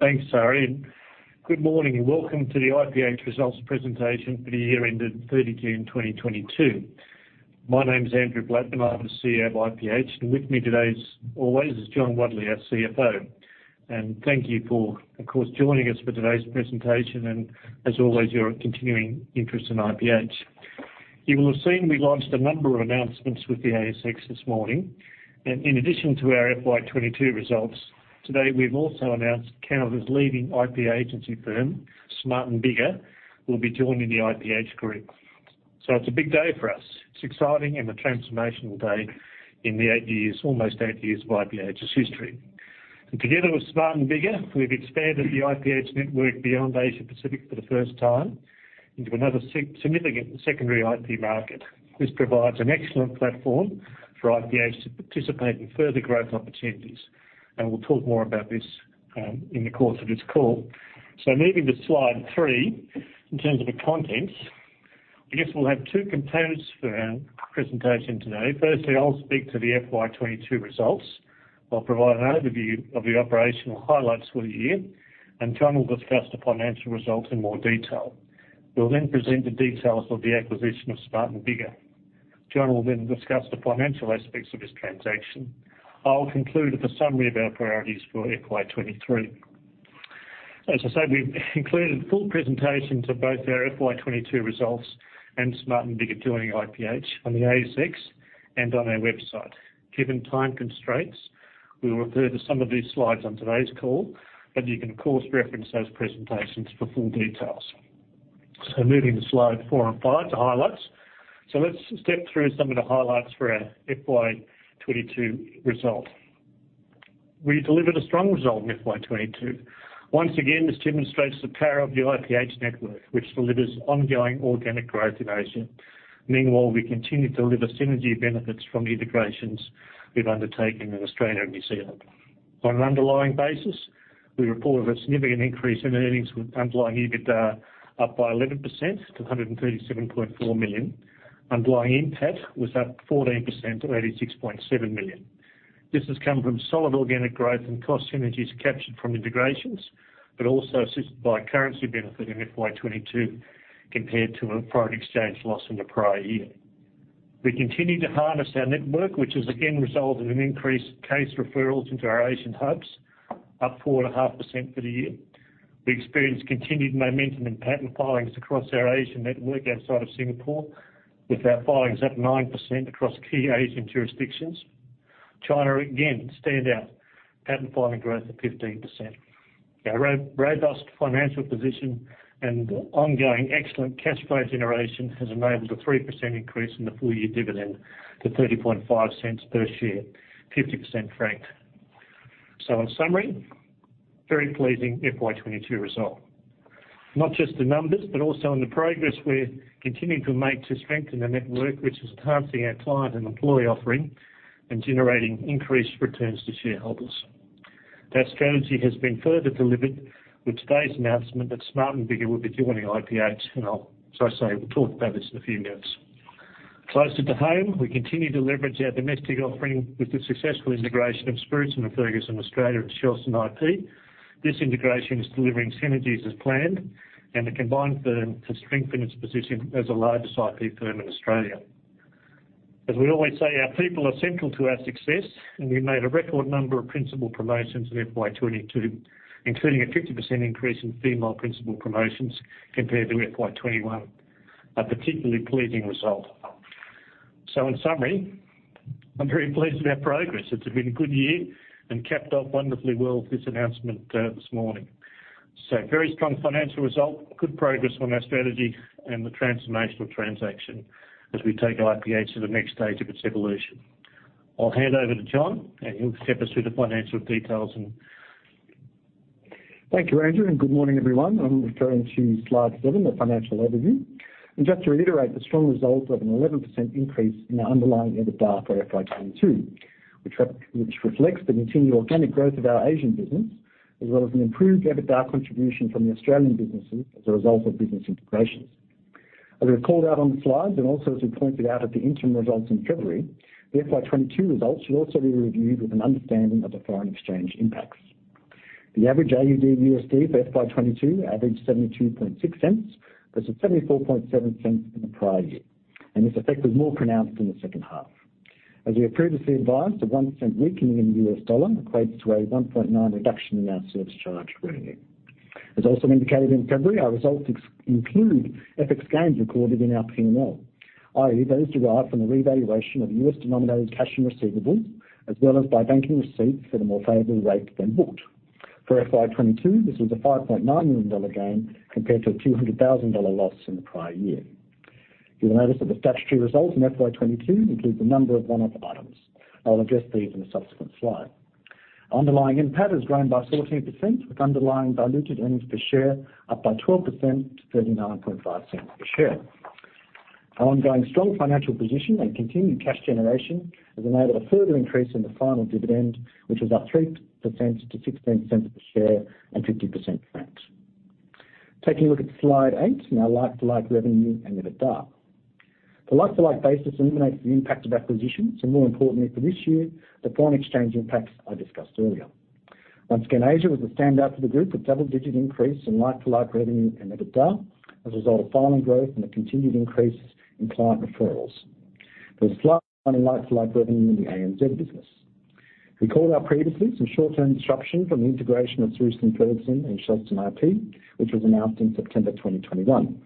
Thanks, Sari. Good morning and welcome to the IPH results presentation for the year ended 30 June 2022. My name is Andrew Blattman, and I'm the CEO of IPH. With me today, as always, is John Wadley, our CFO. Thank you for, of course, joining us for today's presentation and as always, your continuing interest in IPH. You will have seen we launched a number of announcements with the ASX this morning. In addition to our FY 2022 results, today, we've also announced Canada's leading IP firm, Smart & Biggar, will be joining the IPH group. It's a big day for us. It's exciting and a transformational day in the eight years, almost eight years of IPH's history. Together with Smart & Biggar, we've expanded the IPH network beyond Asia-Pacific for the first time into another significant secondary IP market. This provides an excellent platform for IPH to participate in further growth opportunities. We'll talk more about this in the course of this call. Moving to slide 3, in terms of the contents, I guess we'll have two components for our presentation today. Firstly, I'll speak to the FY 2022 results. I'll provide an overview of the operational highlights for the year, and John will discuss the financial results in more detail. We'll then present the details of the acquisition of Smart & Biggar. John will then discuss the financial aspects of this transaction. I'll conclude with a summary of our priorities for FY 2023. As I said, we've included full presentations of both our FY 2022 results and Smart & Biggar joining IPH on the ASX and on our website. Given time constraints, we will refer to some of these slides on today's call, but you can, of course, reference those presentations for full details. Moving to slide four and five, to highlights. Let's step through some of the highlights for our FY 2022 result. We delivered a strong result in FY 2022. Once again, this demonstrates the power of the IPH network, which delivers ongoing organic growth in Asia. Meanwhile, we continue to deliver synergy benefits from the integrations we've undertaken in Australia and New Zealand. On an underlying basis, we reported a significant increase in earnings with underlying EBITDA up 11% to 137.4 million. Underlying NPAT was up 14% to 86.7 million. This has come from solid organic growth and cost synergies captured from integrations, but also assisted by currency benefit in FY 2022 compared to a foreign exchange loss in the prior year. We continued to harness our network, which has again resulted in increased case referrals into our Asian hubs, up 4.5% for the year. We experienced continued momentum in patent filings across our Asian network outside of Singapore, with our filings up 9% across key Asian jurisdictions. China again stands out. Patent filing growth of 15%. Our robust financial position and ongoing excellent cash flow generation has enabled a 3% increase in the full-year dividend to 0.35 per share, 50% franked. In summary, very pleasing FY 2022 result. Not just the numbers, but also in the progress we're continuing to make to strengthen the network, which is enhancing our client and employee offering and generating increased returns to shareholders. That strategy has been further delivered with today's announcement that Smart & Biggar will be joining IPH. I say we'll talk about this in a few minutes. Closer to home, we continue to leverage our domestic offering with the successful integration of Spruson & Ferguson Australia and Shelston IP. This integration is delivering synergies as planned, and the combined firm can strengthen its position as the largest IP firm in Australia. As we always say, our people are central to our success, and we made a record number of principal promotions in FY 2022, including a 50% increase in female principal promotions compared to FY 2021. A particularly pleasing result. In summary, I'm very pleased with our progress. It's been a good year and capped off wonderfully well with this announcement, this morning. Very strong financial result, good progress on our strategy and the transformational transaction as we take IPH to the next stage of its evolution. I'll hand over to John, and he'll step us through the financial details. Thank you, Andrew, and good morning, everyone. I'm referring to slide seven, the financial overview. Just to reiterate the strong result of an 11% increase in our underlying EBITDA for FY 2022, which reflects the continued organic growth of our Asian business, as well as an improved EBITDA contribution from the Australian businesses as a result of business integrations. As we called out on the slides and also as we pointed out at the interim results in February, the FY 2022 results will also be reviewed with an understanding of the foreign exchange impacts. The average AUD/USD for FY 2022 averaged 72.6 cents versus 74.7 cents in the prior year, and this effect was more pronounced in the second half. As we have previously advised, a 1% weakening in the U.S. dollar equates to a 1.9 reduction in our service charge revenue. As also indicated in February, our results exclude FX gains recorded in our P&L, i.e., those derived from the revaluation of the U.S.-denominated cash and receivables, as well as by banking receipts at a more favorable rate than booked. For FY 2022, this was a $5.9 million gain compared to a $200,000 loss in the prior year. You'll notice that the statutory results in FY 2022 include a number of one-off items. I will address these in a subsequent slide. Underlying NPAT has grown by 14%, with underlying diluted earnings per share up by 12% to 39.5 cents per share. Our ongoing strong financial position and continued cash generation has enabled a further increase in the final dividend, which is up 3% to 0.16 per share and 50% franked. Taking a look at slide eight in our like-for-like revenue and EBITDA. The like-for-like basis eliminates the impact of acquisitions, and more importantly for this year, the foreign exchange impacts I discussed earlier. Once again, Asia was the standout for the group, with double-digit increase in like-for-like revenue and EBITDA as a result of filing growth and the continued increases in client referrals. There's a slight decline in like-for-like revenue in the ANZ business. We called out previously some short-term disruption from the integration of Spruson & Ferguson and Shelston IP, which was announced in September 2021.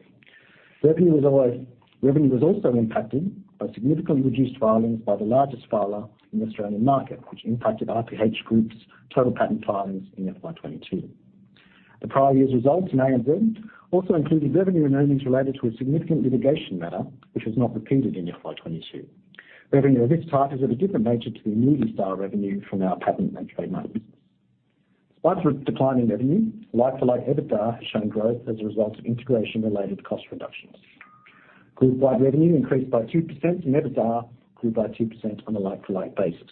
Revenue was also impacted by significantly reduced filings by the largest filer in the Australian market, which impacted IPH Group's total patent filings in FY 2022. The prior year's results in ANZ also included revenue and earnings related to a significant litigation matter which was not repeated in FY 2022. Revenue of this type is of a different nature to the annuity-style revenue from our patent and trademark business. Despite the declining revenue, like-for-like EBITDA has shown growth as a result of integration-related cost reductions. Groupwide revenue increased by 2%, and EBITDA grew by 2% on a like-for-like basis.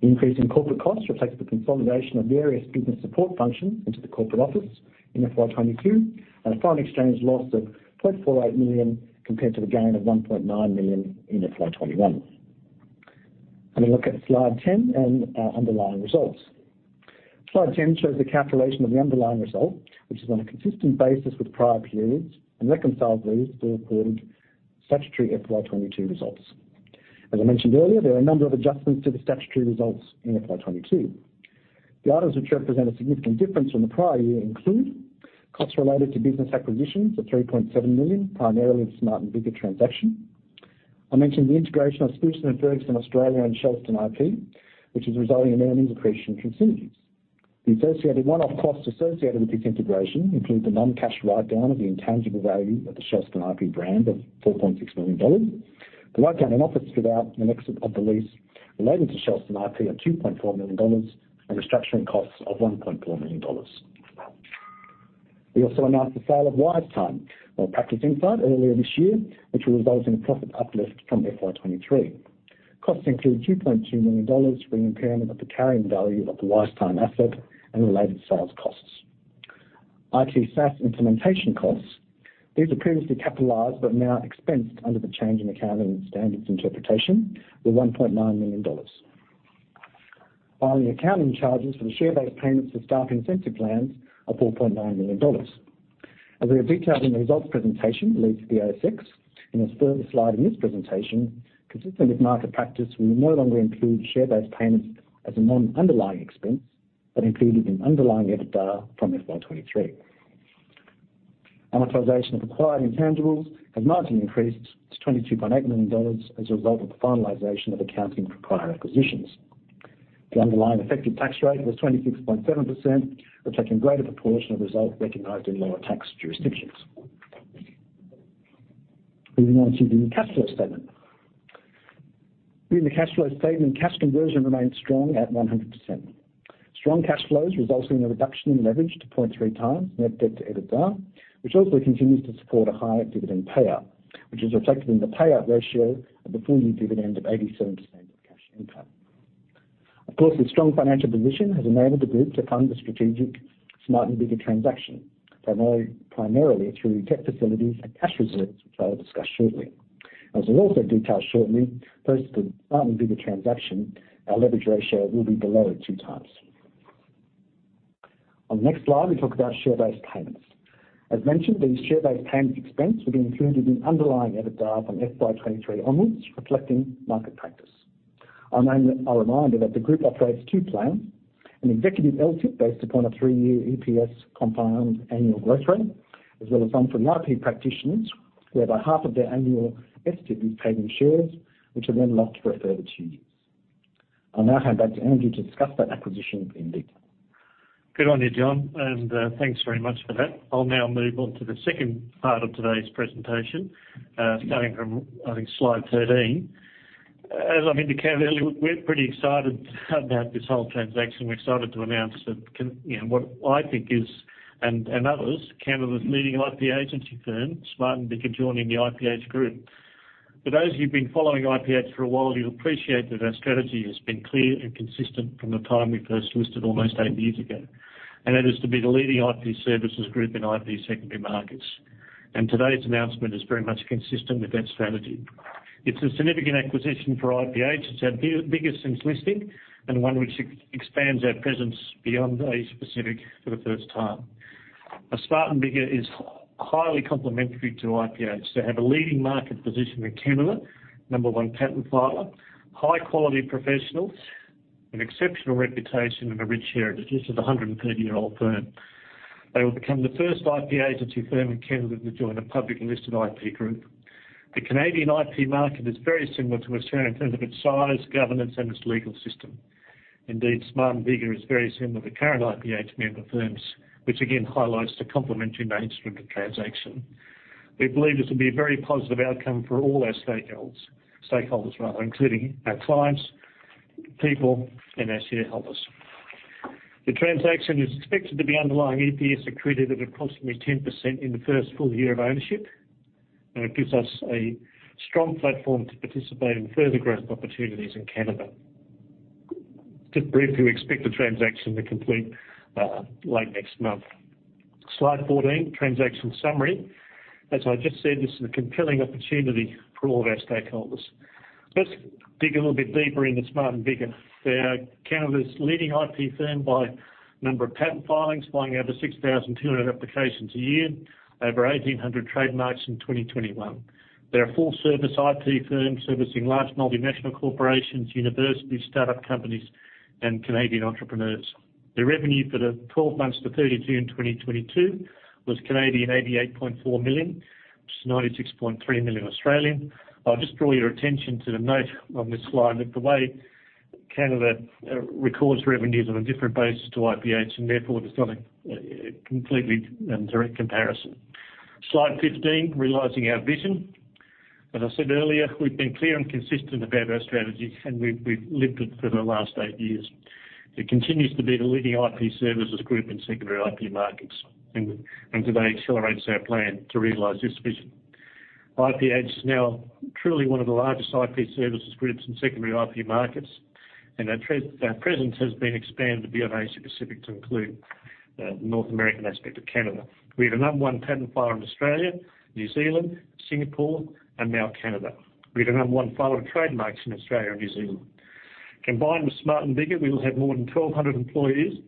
The increase in corporate costs reflects the consolidation of various business support functions into the corporate office in FY 2022, and a foreign exchange loss of 0.48 million, compared to the gain of 1.9 million in FY 2021. Let me look at slide 10 and our underlying results. Slide 10 shows the calculation of the underlying result, which is on a consistent basis with prior periods and reconciled these to the recorded statutory FY 2022 results. As I mentioned earlier, there are a number of adjustments to the statutory results in FY 2022. The items which represent a significant difference from the prior year include costs related to business acquisitions of 3.7 million, primarily the Smart & Biggar transaction. I mentioned the integration of Spruson & Ferguson Australia and Shelston IP, which is resulting in earnings accretion from synergies. The associated one-off costs associated with this integration include the non-cash write-down of the intangible value of the Shelston IP brand of 4.6 million dollars. The write-down in office fit-out and the exit of the lease related to Shelston IP are 2.4 million dollars, and restructuring costs of 1.4 million dollars. We also announced the sale of WiseTime or Practice Insight earlier this year, which will result in a profit uplift from FY23. Costs include 2.2 million dollars for the impairment of the carrying value of the WiseTime asset and the related sales costs. IT SaaS implementation costs. These were previously capitalized but now expensed under the change in accounting standards interpretation were 1.9 million dollars. Finally, accounting charges for the share-based payments for staff incentive plans are 4.9 million dollars. As we have detailed in the results presentation released to the ASX in a further slide in this presentation, consistent with market practice, we will no longer include share-based payments as a non-underlying expense, but included in underlying EBITDA from FY 2023. Amortization of acquired intangibles has marginally increased to 22.8 million dollars as a result of the finalization of accounting for prior acquisitions. The underlying effective tax rate was 26.7%, reflecting greater proportion of results recognized in lower tax jurisdictions. Moving on to the cash flow statement. In the cash flow statement, cash conversion remains strong at 100%. Strong cash flows resulting in a reduction in leverage to 0.3x net debt to EBITDA, which also continues to support a higher dividend payout, which is reflected in the payout ratio of the full-year dividend of 87% of cash income. Of course, this strong financial position has enabled the group to fund the strategic Smart & Biggar transaction, primarily through debt facilities and cash reserves, which I'll discuss shortly. As I'll also detail shortly, post the Smart & Biggar transaction, our leverage ratio will be below two times. On the next slide, we talk about share-based payments. As mentioned, the share-based payments expense will be included in underlying EBITDA from FY 2023 onwards, reflecting market practice. I'll remind you that the group operates two plans, an executive LTIP based upon a three-year EPS compound annual growth rate, as well as one for the IP practitioners whereby half of their annual STIP is paid in shares, which are then locked for a further two years. I'll now hand back to Andrew to discuss that acquisition in detail. Good on you, John, and thanks very much for that. I'll now move on to the second part of today's presentation, starting from, I think, slide 13. As I've indicated earlier, we're pretty excited about this whole transaction. We're excited to announce that, you know, what I think is, and others, Canada's leading IP firm, Smart & Biggar, joining the IPH group. For those of you who've been following IPH for a while, you'll appreciate that our strategy has been clear and consistent from the time we first listed almost eight years ago, and that is to be the leading IP services group in IP secondary markets. Today's announcement is very much consistent with that strategy. It's a significant acquisition for IPH. It's our biggest since listing and one which expands our presence beyond the Asia-Pacific for the first time. Smart & Biggar is highly complementary to IPH. They have a leading market position in Canada, number one patent filer, high-quality professionals, an exceptional reputation, and a rich heritage. This is a 130-year-old firm. They will become the first IP agency firm in Canada to join a public listed IP group. The Canadian IP market is very similar to Australia in terms of its size, governance, and its legal system. Indeed, Smart & Biggar is very similar to current IPH member firms, which again highlights the complementary nature of the transaction. We believe this will be a very positive outcome for all our stakeholders, rather, including our clients, people, and our shareholders. The transaction is expected to be underlying EPS accretive at approximately 10% in the first full year of ownership, and it gives us a strong platform to participate in further growth opportunities in Canada. Just briefly, we expect the transaction to complete late next month. Slide 14, transaction summary. As I just said, this is a compelling opportunity for all of our stakeholders. Let's dig a little bit deeper into Smart & Biggar. They are Canada's leading IP firm by number of patent filings, filing over 6,200 applications a year, over 1,800 trademarks in 2021. They're a full service IP firm servicing large multinational corporations, universities, startup companies, and Canadian entrepreneurs. Their revenue for the 12 months to 32 in 2022 was 88.4 million, which is 96.3 million. I'll just draw your attention to the note on this slide that the way Canada records revenues on a different basis to IPH, and therefore it's not a completely direct comparison. Slide 15, realizing our vision. As I said earlier, we've been clear and consistent about our strategy, and we've lived it for the last eight years. It continues to be the leading IP services group in secondary IP markets and today accelerates our plan to realize this vision. IPH is now truly one of the largest IP services groups in secondary IP markets, and our presence has been expanded beyond Asia Pacific to include the North American aspect of Canada. We're the number one patent filer in Australia, New Zealand, Singapore and now Canada. We're the number one filer of trademarks in Australia and New Zealand. Combined with Smart & Biggar, we will have more than 1,200 employees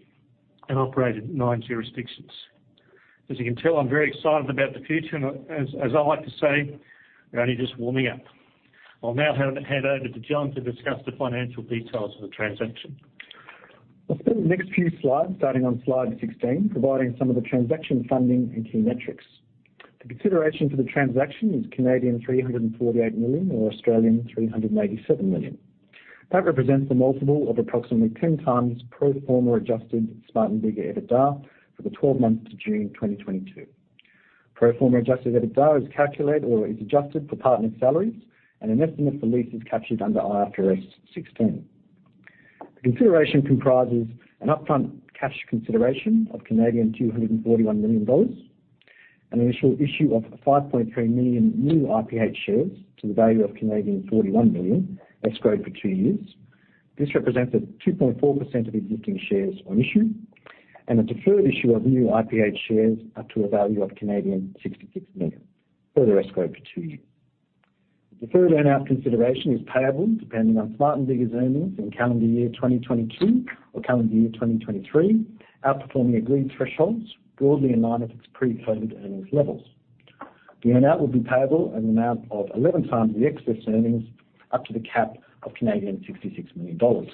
and operate in nine jurisdictions. As you can tell, I'm very excited about the future and as I like to say, we're only just warming up. I'll now hand over to John to discuss the financial details of the transaction. I'll spend the next few slides starting on slide 16, providing some of the transaction funding and key metrics. The consideration for the transaction is 348 million Canadian dollars or 387 million Australian dollars. That represents a multiple of approximately 10x pro forma adjusted Smart & Biggar EBITDA for the 12 months to June 2022. Pro forma Adjusted EBITDA is calculated or is adjusted for partner salaries and an estimate for leases captured under IFRS 16. The consideration comprises an upfront cash consideration of 241 million Canadian dollars, an initial issue of 5.3 million new IPH shares to the value of 41 million, escrowed for two years. This represents 2.4% of existing shares on issue and a deferred issue of new IPH shares up to a value of 66 million, further escrowed for two years. The earn-out consideration is payable depending on Smart & Biggar's earnings in calendar year 2022 or calendar year 2023, outperforming agreed thresholds broadly in line with its pre-COVID earnings levels. The earn-out will be payable in an amount of 11x the excess earnings up to the cap of 66 million Canadian dollars.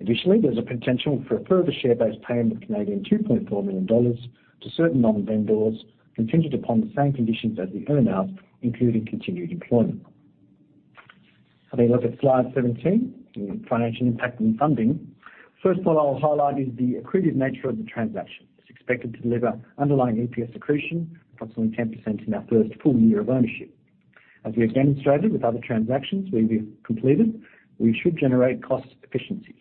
Additionally, there's a potential for a further share-based payment of 2.4 million Canadian dollars to certain non-vendor sellers contingent upon the same conditions as the earn-out, including continued employment. Having a look at slide 17, the financial impact and funding. First one I will highlight is the accretive nature of the transaction. It's expected to deliver underlying EPS accretion approximately 10% in our first full year of ownership. As we have demonstrated with other transactions we've completed, we should generate cost efficiencies.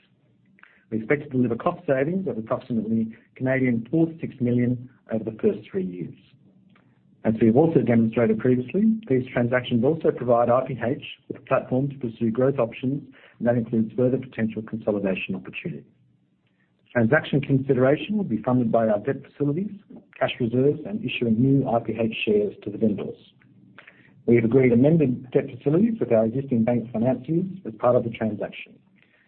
We expect to deliver cost savings of approximately 4 million-6 million Canadian dollars over the first three years. As we have also demonstrated previously, these transactions also provide IPH with a platform to pursue growth options, and that includes further potential consolidation opportunities. Transaction consideration will be funded by our debt facilities, cash reserves, and issuing new IPH shares to the vendors. We have agreed amended debt facilities with our existing bank financiers as part of the transaction.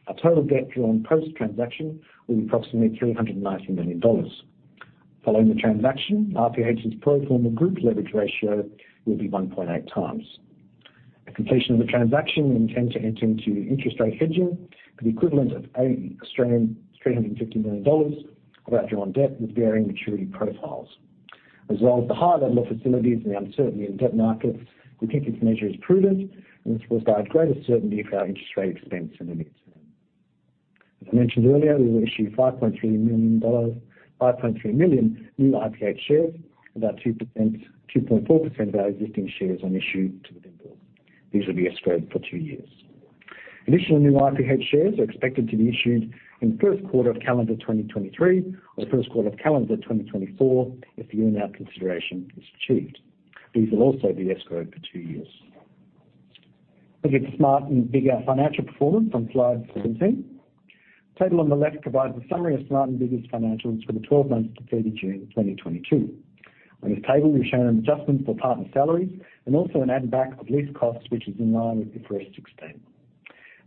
Our total debt drawn post-transaction will be approximately 390 million dollars. Following the transaction, IPH's pro forma group leverage ratio will be 1.8x. At completion of the transaction, we intend to enter into interest rate hedging for the equivalent of 350 million Australian dollars of our drawn debt with varying maturity profiles. As well as the high level of facilities and the uncertainty in debt markets, we think this measure is prudent and this provides greater certainty for our interest rate expense in the near term. As I mentioned earlier, we will issue 5.3 million new IPH shares, about 2.4% of our existing shares on issue to the vendors. These will be escrowed for two years. Additional new IPH shares are expected to be issued in the first quarter of calendar 2023 or the first quarter of calendar 2024 if the earn-out consideration is achieved. These will also be escrowed for two years. Looking at Smart & Biggar financial performance on slide 17. Table on the left provides a summary of Smart & Biggar's financials for the 12 months to 30 June 2022. On this table, we've shown an adjustment for partner salaries and also an add back of lease costs, which is in line with IFRS 16.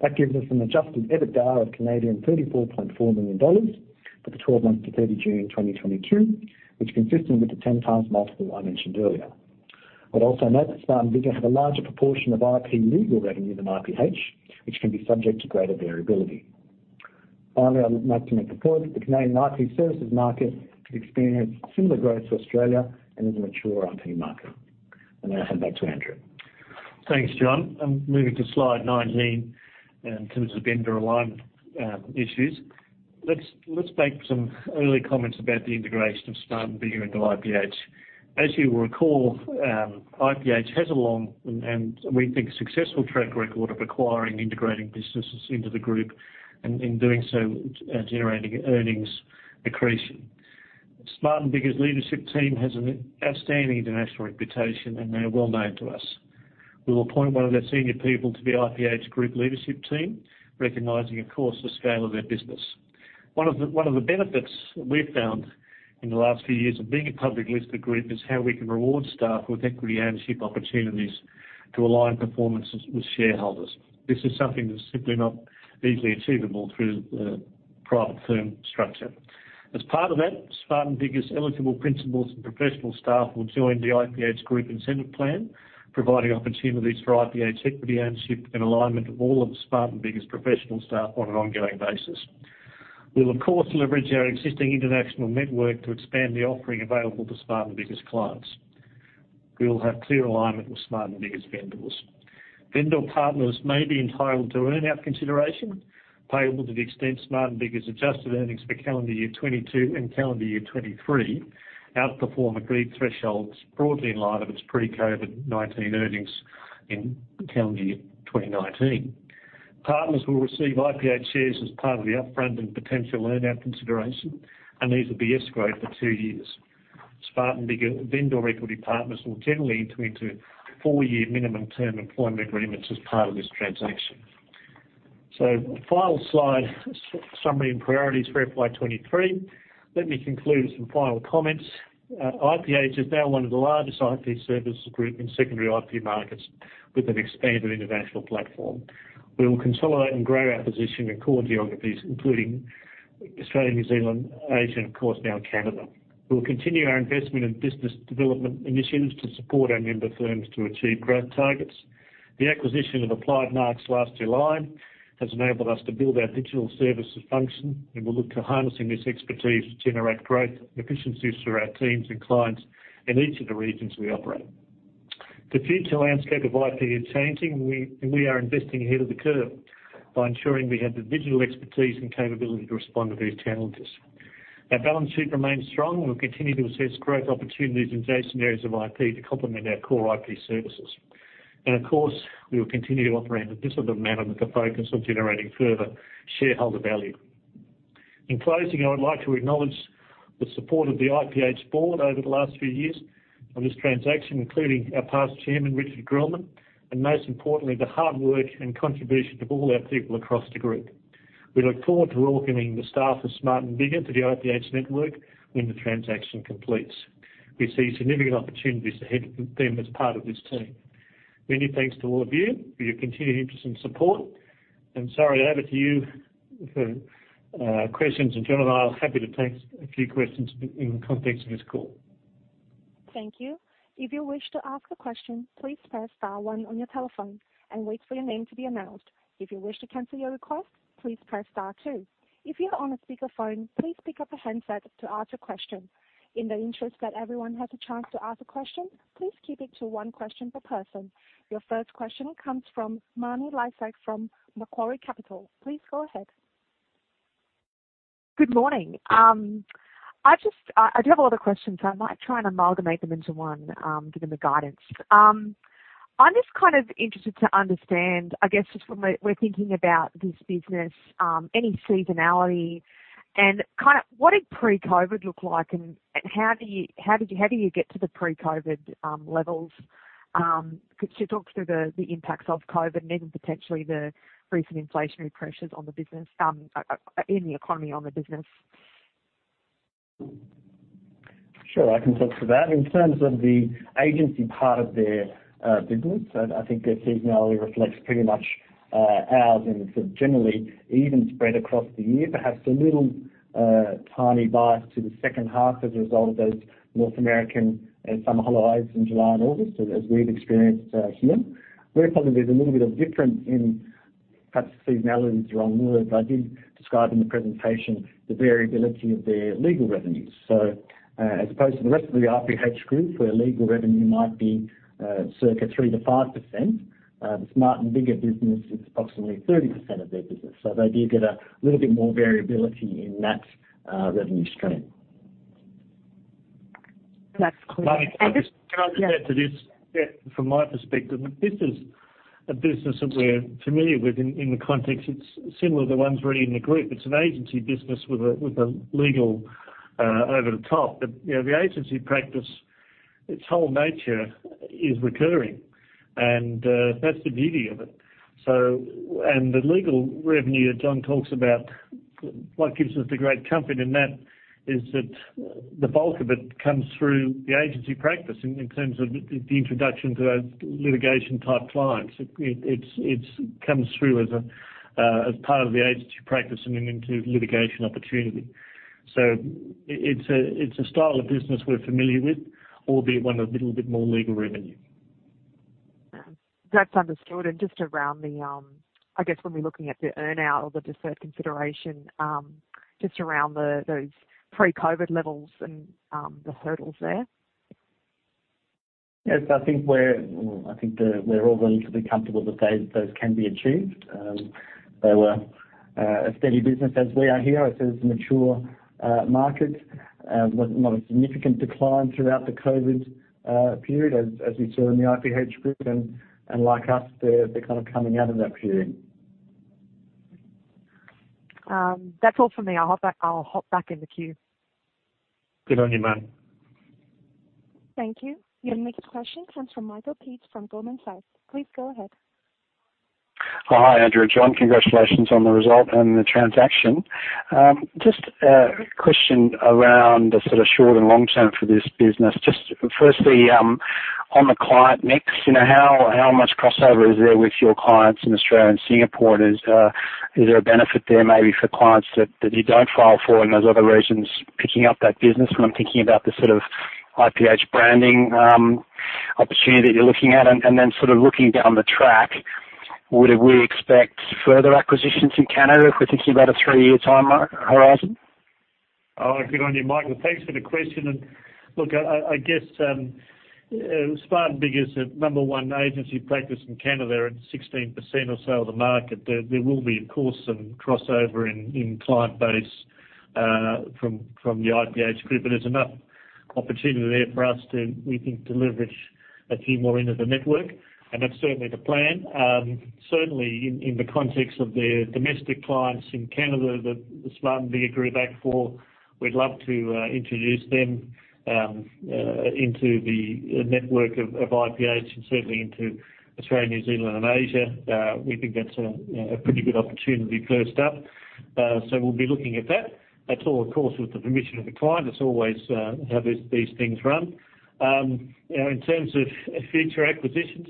That gives us an Adjusted EBITDA of 34.4 million Canadian dollars for the 12 months to 30 June 2022, which is consistent with the 10x multiple I mentioned earlier. I'd also note that Smart & Biggar have a larger proportion of IP legal revenue than IPH, which can be subject to greater variability. Finally, I would note in the report the Canadian IP services market has experienced similar growth to Australia and is a mature IP market. I'm going to hand back to Andrew. Thanks, John. I'm moving to slide 19 in terms of vendor alignment, issues. Let's make some early comments about the integration of Smart & Biggar into IPH. As you will recall, IPH has a long and we think successful track record of acquiring and integrating businesses into the group and in doing so, generating earnings accretion. Smart & Biggar's leadership team has an outstanding international reputation, and they are well-known to us. We will appoint one of their senior people to the IPH group leadership team, recognizing, of course, the scale of their business. One of the benefits we've found in the last few years of being a public listed group is how we can reward staff with equity ownership opportunities to align performances with shareholders. This is something that's simply not easily achievable through the private firm structure. As part of that, Smart & Biggar's eligible principals and professional staff will join the IPH Group Incentive Plan, providing opportunities for IPH equity ownership and alignment of all of Smart & Biggar's professional staff on an ongoing basis. We'll, of course, leverage our existing international network to expand the offering available to Smart & Biggar's clients. We will have clear alignment with Smart & Biggar's vendors. Vendor partners may be entitled to earn-out consideration payable to the extent Smart & Biggar's adjusted earnings for calendar year 2022 and calendar year 2023 outperform agreed thresholds broadly in light of its pre-COVID-19 earnings in calendar year 2019. Partners will receive IPH shares as part of the upfront and potential earn-out consideration, and these will be escrowed for two years. Smart & Biggar vendor equity partners will generally enter into four-year minimum term employment agreements as part of this transaction. Final slide, summary and priorities for FY 2023. Let me conclude with some final comments. IPH is now one of the largest IP services group in secondary IP markets with an expanded international platform. We will consolidate and grow our position in core geographies, including Australia, New Zealand, Asia, and of course now Canada. We'll continue our investment in business development initiatives to support our member firms to achieve growth targets. The acquisition of Applied Marks last July has enabled us to build our digital services function, and we'll look to harnessing this expertise to generate great efficiencies for our teams and clients in each of the regions we operate. The future landscape of IP is changing, and we are investing ahead of the curve by ensuring we have the digital expertise and capability to respond to these challenges. Our balance sheet remains strong, and we'll continue to assess growth opportunities in adjacent areas of IP to complement our core IP services. Of course, we will continue to operate a disciplined management focus on generating further shareholder value. In closing, I would like to acknowledge the support of the IPH board over the last few years on this transaction, including our past chairman, Richard Grellman, and most importantly, the hard work and contribution of all our people across the group. We look forward to welcoming the staff of Smart & Biggar to the IPH network when the transaction completes. We see significant opportunities ahead of them as part of this team. Many thanks to all of you for your continued interest and support, and Sari, over to you for questions. John and I are happy to take a few questions in context of this call. Thank you. If you wish to ask a question, please press star one on your telephone and wait for your name to be announced. If you wish to cancel your request, please press star two. If you're on a speakerphone, please pick up a handset to ask a question. In the interest that everyone has a chance to ask a question, please keep it to one question per person. Your first question comes from Marni Lysaght from Macquarie Capital. Please go ahead. Good morning. I do have a lot of questions, so I might try and amalgamate them into one, given the guidance. I'm just kind of interested to understand, I guess, we're thinking about this business, any seasonality and kinda what did pre-COVID look like and how do you get to the pre-COVID levels? Could you talk through the impacts of COVID and even potentially the recent inflationary pressures on the business in the economy on the business? Sure, I can talk to that. In terms of the agency part of their business, I think their seasonality reflects pretty much ours, and it's generally even spread across the year, perhaps a little tiny bias to the second half as a result of those North American summer holidays in July and August, as we've experienced here. Where probably there's a little bit of difference in perhaps seasonality is the wrong word, but I did describe in the presentation the variability of their legal revenues. As opposed to the rest of the IPH group, where legal revenue might be circa 3%-5%, the Smart & Biggar business, it's approximately 30% of their business. They do get a little bit more variability in that revenue stream. That's clear. Marni, can I just- Yeah. Can I just add to this? Yeah, from my perspective, this is a business that we're familiar with in the context. It's similar to the ones already in the group. It's an agency business with a legal overlay. You know, the agency practice, its whole nature is recurring, and that's the beauty of it. The legal revenue that John talks about, what gives us the great comfort in that is that the bulk of it comes through the agency practice in terms of the introduction to those litigation type clients. It comes through as a part of the agency practice and then into litigation opportunity. It's a style of business we're familiar with, albeit one with a little bit more legal revenue. That's understood. Just around the earn-out or the deferred consideration, I guess when we're looking at those pre-COVID levels and the hurdles there. Yes, I think we're all reasonably comfortable that those can be achieved. They were a steady business as we are here. It is a mature market with not a significant decline throughout the COVID period as we saw in the IPH Group. Like us, they're kind of coming out of that period. That's all for me. I'll hop back in the queue. Good on you, Marni. Thank you. Your next question comes from Nicholas Peach from Goldman Sachs. Please go ahead. Oh, hi, Andrew and John. Congratulations on the result and the transaction. Just question around the sort of short and long term for this business. Just firstly, on the client mix, you know, how much crossover is there with your clients in Australia and Singapore? Is there a benefit there maybe for clients that you don't file for in those other regions picking up that business? When I'm thinking about the sort of IPH branding opportunity that you're looking at. Then sort of looking down the track, would we expect further acquisitions in Canada if we're thinking about a three-year time horizon? Oh, good on you, Nicholas. Thanks for the question. Look, I guess Smart & Biggar is the number one agency practice in Canada at 16% or so of the market. There will be, of course, some crossover in client base from the IPH group. But there's enough opportunity there for us to, we think, to leverage a few more into the network, and that's certainly the plan. Certainly in the context of their domestic clients in Canada that Smart & Biggar act for, we'd love to introduce them into the network of IPH and certainly into Australia, New Zealand and Asia. We think that's a pretty good opportunity first up. We'll be looking at that. That's all, of course, with the permission of the client. That's always how these things run. You know, in terms of future acquisitions,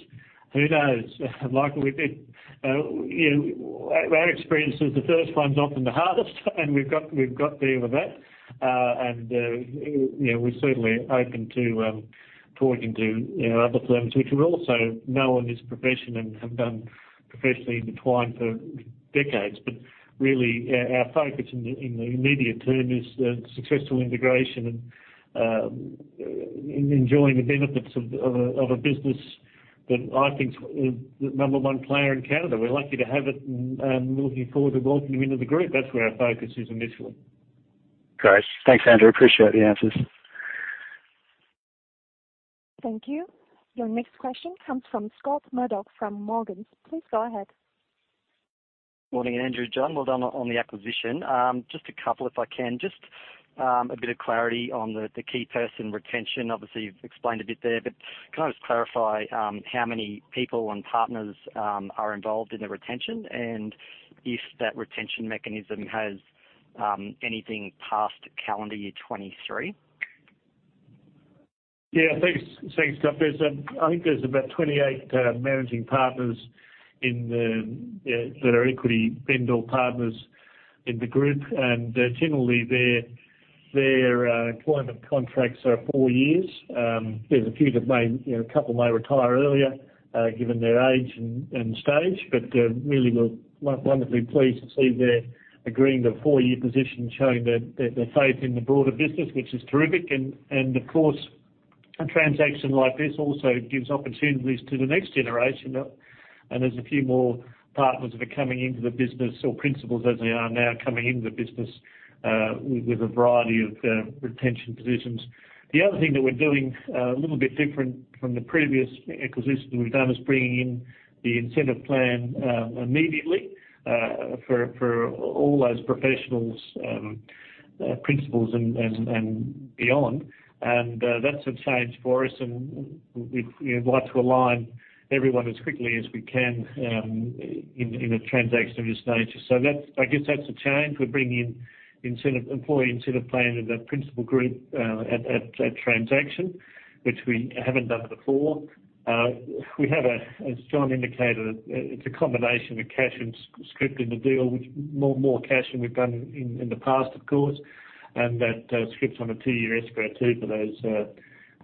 who knows? Nicholas, we've been, you know, our experience is the first one's often the hardest, and we've got there with that. You know, we're certainly open to talking to, you know, other firms which we also know in this profession and have been professionally intertwined for decades. Really our focus in the immediate term is successful integration and enjoying the benefits of a business that I think is the number one player in Canada. We're lucky to have it and looking forward to welcoming you into the group. That's where our focus is initially. Great. Thanks, Andrew. Appreciate the answers. Thank you. Your next question comes from Scott Murdoch from Morgans. Please go ahead. Morning, Andrew and John. Well done on the acquisition. Just a couple if I can. Just a bit of clarity on the key person retention. Obviously, you've explained a bit there, but can I just clarify how many people and partners are involved in the retention and if that retention mechanism has anything past calendar year 2023? Yeah, thanks. Thanks, Scott. There's, I think there's about 28 managing partners in the that are equity vendor partners in the group. Generally their employment contracts are four years. There's a few that may, you know, a couple may retire earlier, given their age and stage, but really, we're wonderfully pleased to see they're agreeing to four-year positions, showing their faith in the broader business, which is terrific. Of course, a transaction like this also gives opportunities to the next generation. There's a few more partners that are coming into the business or principals as they are now coming into the business, with a variety of retention positions. The other thing that we're doing a little bit different from the previous acquisitions we've done is bringing in the incentive plan immediately for all those professionals, principals and beyond. That's a change for us and we'd like to align everyone as quickly as we can in a transaction of this nature. I guess that's a change. We're bringing in the Employee Incentive Plan of that principal group at transaction, which we haven't done before. As John indicated, it's a combination of cash and scrip in the deal, which more cash than we've done in the past, of course. That scrip on a two-year escrow too for those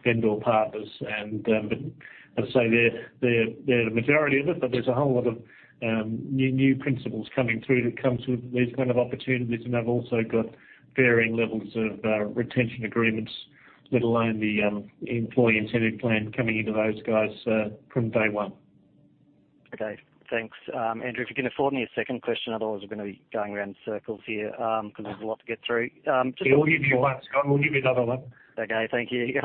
vendor partners. As I say, they're the majority of it, but there's a whole lot of new principals coming through that comes with these kind of opportunities and have also got varying levels of retention agreements, let alone the employee incentive plan coming into those guys from day one. Okay. Thanks. Andrew, if you can allow me a second question. Otherwise we're gonna be going around in circles here, 'cause there's a lot to get through. Yeah, we'll give you one, Scott. We'll give you another one. Okay. Thank you.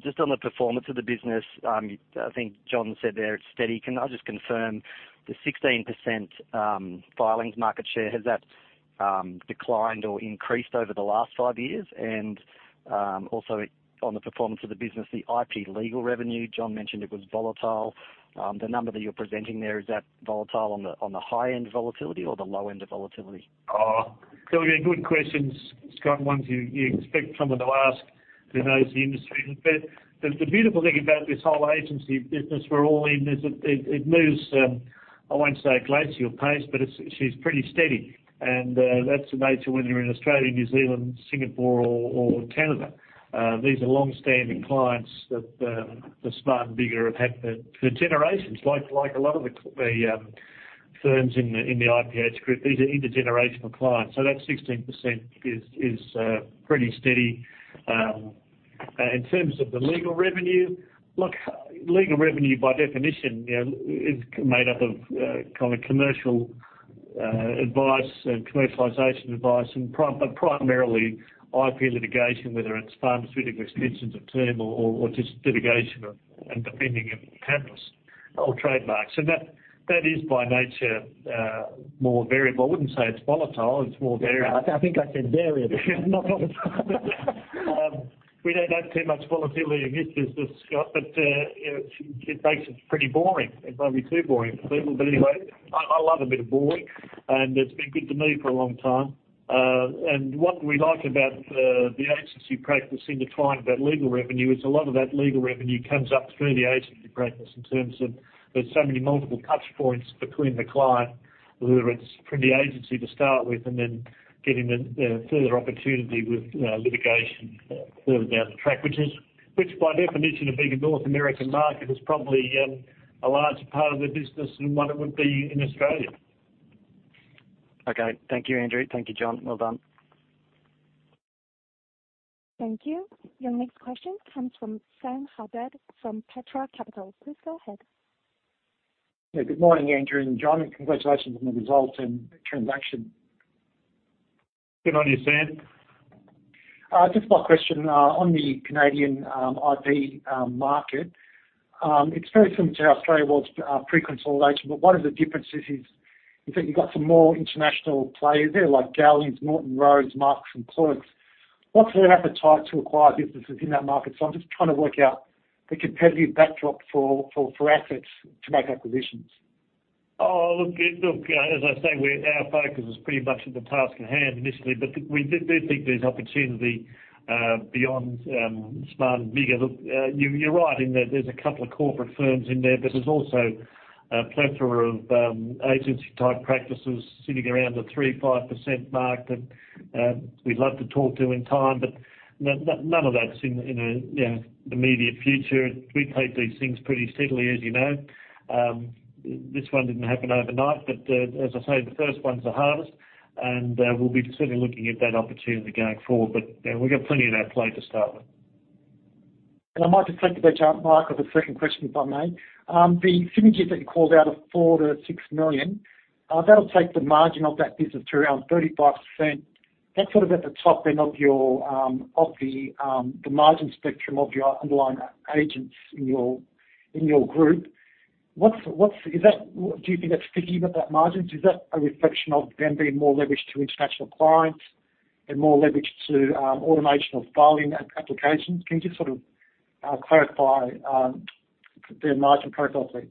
Just on the performance of the business, I think John said there it's steady. Can I just confirm the 16% filings market share, has that declined or increased over the last five years? Also on the performance of the business, the IP legal revenue, John mentioned it was volatile. The number that you're presenting there, is that volatile on the high end of volatility or the low end of volatility? Oh, they've been good questions, Scott, ones you expect someone to ask who knows the industry. The beautiful thing about this whole agency business we're all in is it moves. I won't say a glacial pace, but it's pretty steady. That's the nature whether you're in Australia, New Zealand, Singapore or Canada. These are longstanding clients that Smart & Biggar have had for generations. Like a lot of the firms in the IPH group, these are intergenerational clients, so that 16% is pretty steady. In terms of the legal revenue. Look, legal revenue by definition, you know, is made up of kind of commercial advice and commercialization advice but primarily IP litigation, whether it's pharmaceutical extensions of term or just litigation and depending on patents or trademarks. That is by nature more variable. I wouldn't say it's volatile. It's more variable. I think I said variable not volatile. We don't have too much volatility in this business, Scott, but you know, it makes it pretty boring. It's probably too boring for people. Anyway, I love a bit of boring, and it's been good to me for a long time. What we like about the agency practice and the trial of that legal revenue is a lot of that legal revenue comes up through the agency practice in terms of there's so many multiple touch points between the client, whether it's from the agency to start with and then getting the further opportunity with litigation further down the track, which by definition of being a North American market, is probably a large part of the business and what it would be in Australia. Okay. Thank you, Andrew. Thank you, John. Well done. Thank you. Your next question comes from Sam Haddad from Petra Capital. Please go ahead. Yeah. Good morning, Andrew and John. Congratulations on the results and transaction. Good on you, Sam. Just my question on the Canadian IP market. It's very similar to how Australia was pre-consolidation, but one of the differences is that you've got some more international players there, like Gowling WLG, Norton Rose Fulbright, Marks & Clerk. What's their appetite to acquire businesses in that market? I'm just trying to work out the competitive backdrop for assets to make acquisitions. As I say, our focus is pretty much on the task at hand initially, but we do think there's opportunity beyond Smart & Biggar. You're right in that there's a couple of corporate firms in there, but there's also a plethora of agency type practices sitting around the 3%-5% mark that we'd love to talk to in time, but none of that's in a you know immediate future. We take these things pretty steadily, as you know. This one didn't happen overnight. As I say, the first one's the hardest and we'll be certainly looking at that opportunity going forward. You know, we've got plenty on our plate to start with. I might just pick up the ball, Mike, with a second question, if I may. The synergies that you called out, of 4 million-6 million, that'll take the margin of that business to around 35%. That's sort of at the top end of your margin spectrum of your underlying agents in your group. What's that? Do you think that's sticky with that margins? Is that a reflection of them being more leveraged to international clients and more leveraged to automation of filing applications? Can you just sort of clarify their margin profile, please?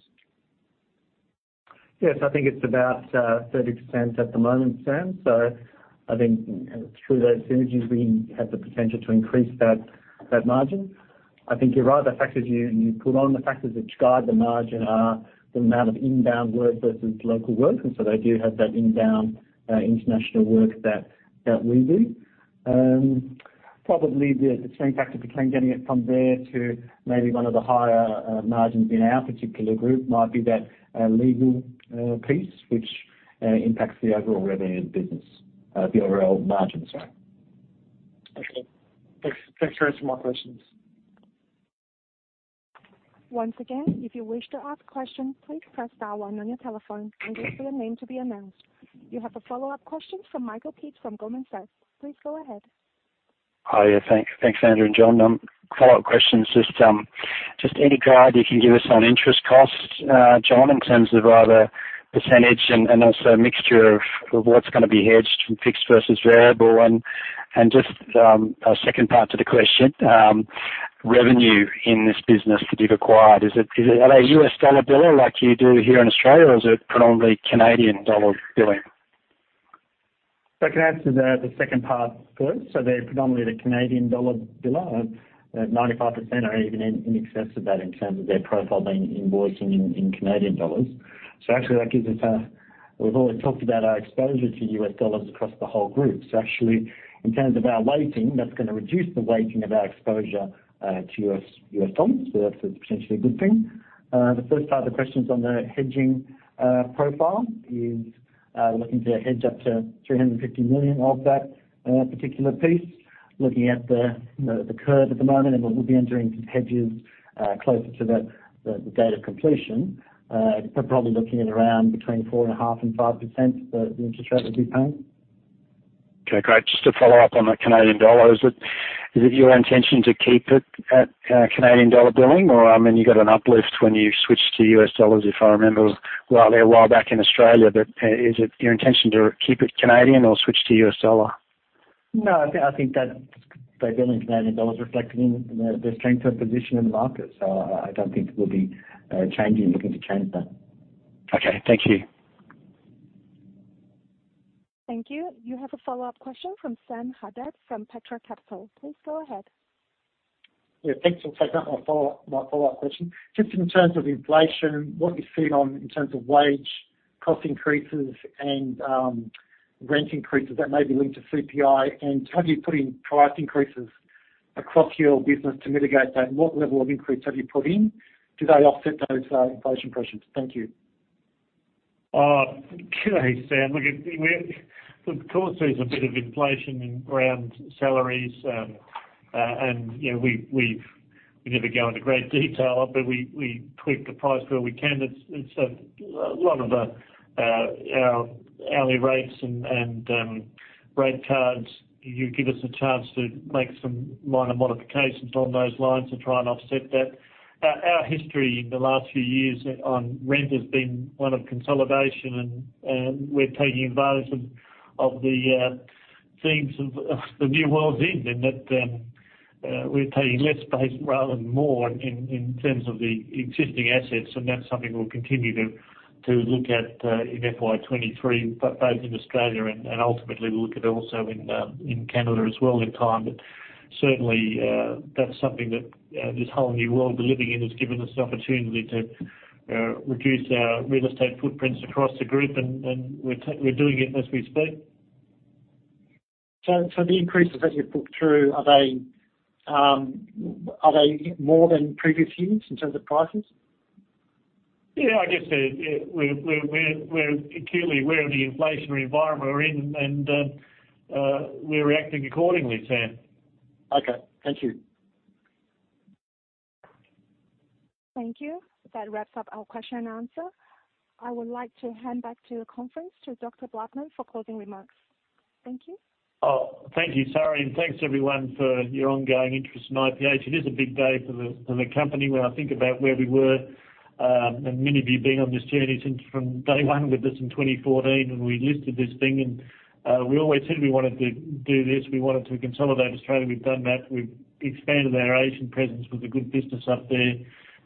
Yes, I think it's about 30% at the moment, Sam. I think through those synergies, we have the potential to increase that margin. I think you're right. The factors you put on the factors which guide the margin are the amount of inbound work versus local work. They do have that inbound international work that we do. Probably the same factor between getting it from there to maybe one of the higher margins in our particular group might be that legal piece which impacts the overall revenue business, the overall margin, sorry. Okay. Thanks. Thanks for answering my questions. Once again, if you wish to ask questions, please press star one on your telephone and wait for your name to be announced. You have a follow-up question from Nicholas Peach from Goldman Sachs. Please go ahead. Oh, yeah. Thanks, Andrew and John. Follow-up question. Just any guide you can give us on interest costs, John, in terms of either percentage and also mixture of what's gonna be hedged from fixed versus variable. Just a second part to the question, revenue in this business that you've acquired. Is it at a U.S. dollar billing like you do here in Australia or is it predominantly Canadian dollar billing? I can answer the second part first. They're predominantly the Canadian dollar biller. 95% are even in excess of that in terms of their profile being invoicing in Canadian dollars. Actually that gives us. We've always talked about our exposure to U.S. dollars across the whole group. Actually in terms of our weighting, that's gonna reduce the weighting of our exposure to U.S. dollars. That's potentially a good thing. The first part of the questions on the hedging profile is looking to hedge up to 350 million of that particular piece. Looking at the curve at the moment, and we'll be entering some hedges closer to the date of completion, but probably looking at around between 4.5% and 5%, the interest rate we'll be paying. Okay, great. Just to follow up on the Canadian dollar, is it your intention to keep it at Canadian dollar billing or, I mean, you got an uplift when you switched to U.S. dollars, if I remember rightly a while back in Australia. Is it your intention to keep it Canadian or switch to U.S. dollar? No, I think that they bill in Canadian dollars reflecting the strength of position in the market. I don't think we'll be looking to change that. Okay. Thank you. Thank you. You have a follow-up question from Sam Haddad from Petra Capital. Please go ahead. Yeah, thanks for taking up my follow-up question. Just in terms of inflation, what are you seeing in terms of wage cost increases and rent increases that may be linked to CPI? Have you put in price increases across your business to mitigate that? What level of increase have you put in? Do they offset those inflation pressures? Thank you. Sam, of course, there's a bit of inflation in rent, salaries, and, you know, we never go into great detail, but we tweak the price where we can. It's a lot of our hourly rates and rate cards. You give us a chance to make some minor modifications on those lines to try and offset that. Our history in the last few years on rent has been one of consolidation, and we're taking advantage of the themes of the new world's end, and that we're taking less space rather than more in terms of the existing assets, and that's something we'll continue to look at in FY 2023, both in Australia and ultimately look at also in Canada as well in time. Certainly, that's something that this whole new world we're living in has given us an opportunity to reduce our real estate footprints across the group, and we're doing it as we speak. The increases that you've put through, are they more than previous years in terms of prices? Yeah, I guess they're. We're acutely aware of the inflationary environment we're in, and we're reacting accordingly, Sam. Okay. Thank you. Thank you. That wraps up our question and answer. I would like to hand back to the conference to Dr. Blattman for closing remarks. Thank you. Oh, thank you, Sari, and thanks, everyone, for your ongoing interest in IPH. It is a big day for the company when I think about where we were, and many of you being on this journey since from day one with us in 2014 when we listed this thing. We always said we wanted to do this. We wanted to consolidate Australia. We've done that. We've expanded our Asian presence with a good business up there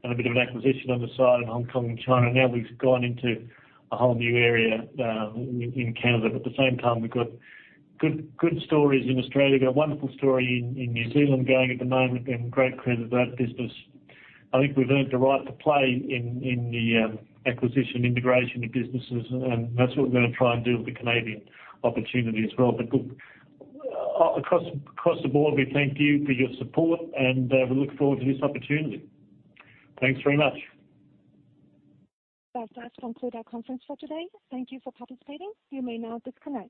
and a bit of an acquisition on the side in Hong Kong and China. Now, we've gone into a whole new area in Canada. At the same time, we've got good stories in Australia. We've got a wonderful story in New Zealand going at the moment and great credit to that business. I think we've earned the right to play in the acquisition, integration of businesses, and that's what we're gonna try and do with the Canadian opportunity as well. Look, across the board, we thank you for your support, and we look forward to this opportunity. Thanks very much. That does conclude our conference for today. Thank you for participating. You may now disconnect.